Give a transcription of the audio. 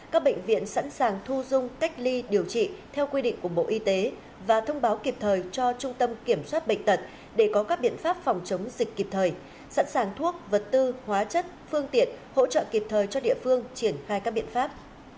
các bệnh viện sẵn sàng thu dung cách ly điều trị theo quy định của bộ y tế và thông báo kịp thời cho trung tâm kiểm soát bệnh tật để có các biện pháp phòng chống dịch kịp thời sẵn sàng thuốc vật tư hóa chất phương tiện hỗ trợ kịp thời cho địa phương triển khai các biện pháp